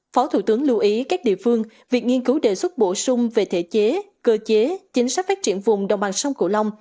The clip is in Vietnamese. phó thủ tướng lưu ý các địa phương việc nghiên cứu đề xuất bổ sung về thể chế cơ chế chính sách phát triển vùng đồng bằng sông cổ long